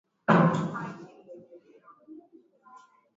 Upinzani uliotolewa na baba wa taifa aliyekuwa Rais wa Kwanza wa Tanzania